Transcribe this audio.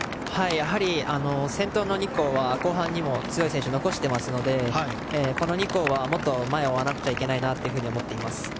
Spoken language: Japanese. やはり先頭の２校は後半にも強い選手を残していますのでこの２校はもっと前を追わないといけないと思っています。